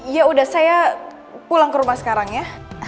ya udah saya pulang ke rumah sekarang ya